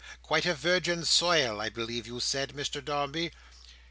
Quite a virgin soil, I believe you said, Mr Dombey?"